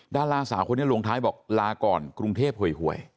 ดาราสาวคนนี้ลงท้ายบอกลาก่อนกรุงเทพหวย